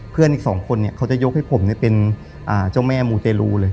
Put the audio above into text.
เพื่อนอีกสองคนเนี้ยเขาจะยกให้ผมเนี้ยเป็นอ่าเจ้าแม่มูเตรลูเลย